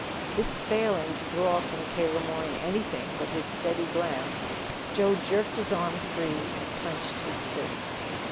This failing to draw from K. Le Moyne anything but his steady glance, Joe jerked his arm free, and clenched his fist.